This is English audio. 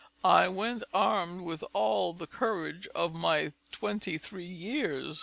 I went, armed with all the courage of my twenty three years.